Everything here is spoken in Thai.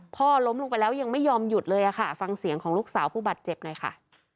พ่อล้มลงไปแล้วยังไม่ยอมหยุดเลยค่ะฟังเสียงของลูกสาวผู้บาดเจ็บหน่อยค่ะ